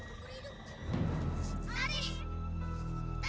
itu lumpur hidup